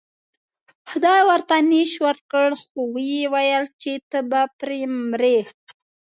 خدای ورته نیش ورکړ خو و یې ویل چې ته به پرې مرې.